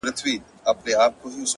ما د مرگ ورځ به هم هغه ورځ وي ـ